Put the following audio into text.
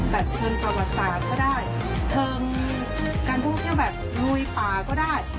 เชิงประวัติศาสตร์ก็ได้เชิงการพูดแค่แบบลุยป่าก็ได้